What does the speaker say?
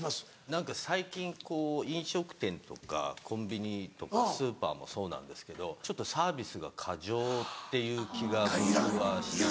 何か最近こう飲食店とかコンビニとかスーパーもそうなんですけどサービスが過剰っていう気が僕はしてて。